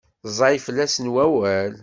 Ẓẓay fell-asen wawal.